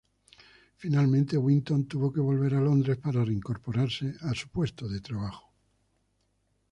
Finalmente Winton tuvo que volver a Londres para reincorporarse a su puesto de trabajo.